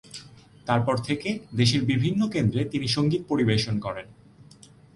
তারপর থেকে দেশের বিভিন্ন কেন্দ্রে তিনি সঙ্গীত পরিবেশন করেন।